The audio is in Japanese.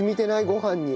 ごはんに。